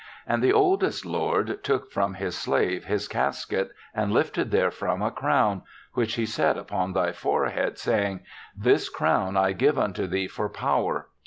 And the oldest lord took from his slave his casket and lifted therefrom a crown, which he set upon thy fore head, saying, ^This crown I give unto thee for Power.